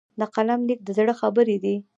د قلم لیک د زړه خبرې دي.